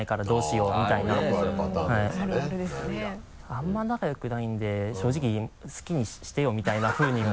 あんまり仲良くないんで正直好きにしてよみたいなふうに。